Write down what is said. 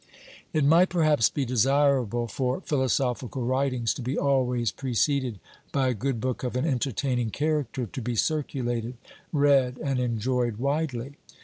It might perhaps be desirable for philosophical writings to be always preceded by a good book of an entertaining character, to be circulated, read and enjoyed widely.